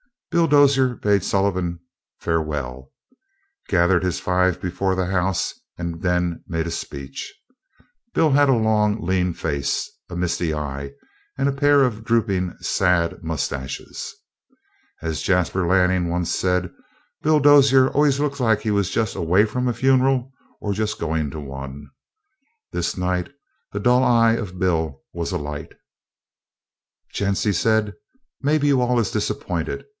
Bill Dozier bade Sullivan farewell, gathered his five before the house, and made them a speech. Bill had a long, lean face, a misty eye, and a pair of drooping, sad mustaches. As Jasper Lanning once said: "Bill Dozier always looked like he was just away from a funeral or just goin' to one." This night the dull eye of Bill was alight. "Gents," he said, "maybe you all is disappointed.